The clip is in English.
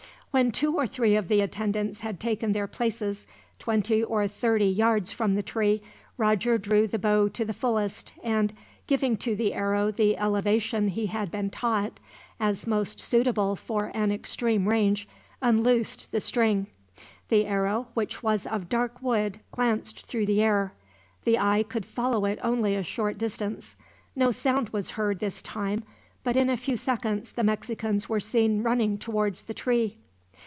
When two of the attendants had taken their places, twenty or thirty yards from the tree, Roger drew the bow to the fullest and, giving to the arrow the elevation he had been taught, as most suitable for an extreme range, unloosed the string. The arrow, which was of dark wood, glanced through the air. The eye could follow it only a short distance. No sound was heard this time, but in a few seconds the Mexicans were seen running towards the tree.